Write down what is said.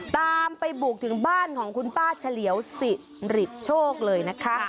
ตามไปบุกถึงบ้านของคุณป้าเฉลียวสิริโชคเลยนะคะ